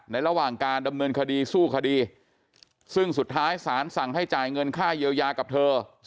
ระหว่างการดำเนินคดีสู้คดีซึ่งสุดท้ายศาลสั่งให้จ่ายเงินค่าเยียวยากับเธอ